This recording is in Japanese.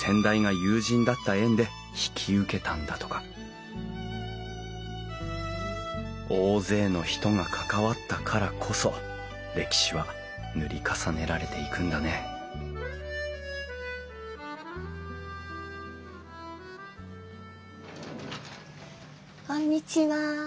先代が友人だった縁で引き受けたんだとか大勢の人が関わったからこそ歴史は塗り重ねられていくんだねこんにちは。